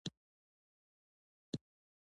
سره غرمه ده لمر ځبیښلې زما د شونډو شربتونه